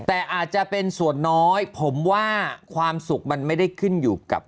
แต่อาจจะเป็นส่วนน้อยผมว่าความสุขมันไม่ได้ขึ้นอยู่กับ